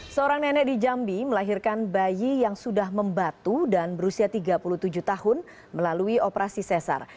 seorang nenek di jambi melahirkan bayi yang sudah membatu dan berusia tiga puluh tujuh tahun melalui operasi sesar